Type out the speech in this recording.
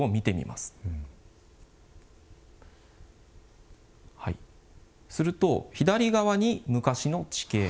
すると、左側に昔の地形。